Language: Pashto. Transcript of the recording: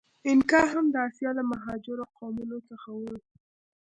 اینکا هم د آسیا له مهاجرو قومونو څخه و.